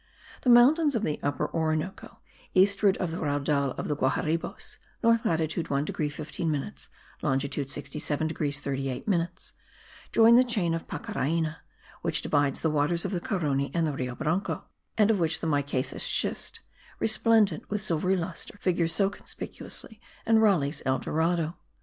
The mountains of the Upper Orinoco, eastward of the Raudal of the Guaharibos (north latitude 1 degree 15 minutes longitude 67 degrees 38 minutes), join the chain of Pacaraina, which divides the waters of the Carony and the Rio Branco, and of which the micaceous schist, resplendent with silvery lustre, figures so conspicuously in Raleigh's El Dorado.